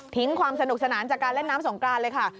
ความสนุกสนานจากการเล่นน้ำสงกรานเลยค่ะ